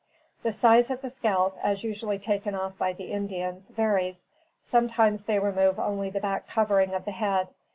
The size of the scalp, as usually taken off by the Indians, varies. Sometimes they remove only the back covering of the head.